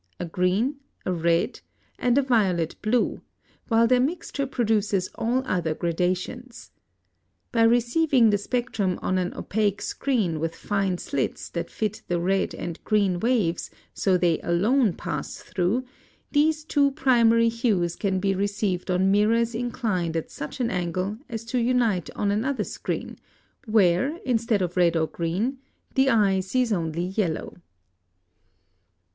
a red, a green, and a violet blue, while their mixture produces all other gradations. By receiving the spectrum on an opaque screen with fine slits that fit the red and green waves, so that they alone pass through, these two primary hues can be received on mirrors inclined at such an angle as to unite on another screen, where, instead of red or green, the eye sees only yellow.